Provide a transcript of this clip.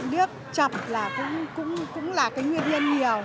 biết chập là cũng là cái nguyên nhân nhiều